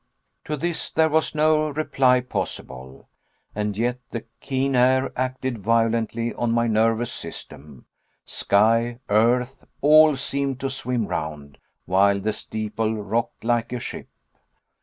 To this there was no reply possible. And yet the keen air acted violently on my nervous system; sky, earth, all seemed to swim round, while the steeple rocked like a ship.